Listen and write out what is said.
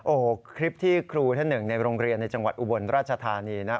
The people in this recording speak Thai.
โอ้โหคลิปที่ครูท่านหนึ่งในโรงเรียนในจังหวัดอุบลราชธานีนะ